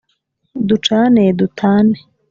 ducane dutane!”